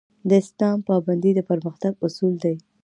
د اسلام پابندي د پرمختګ اصول دي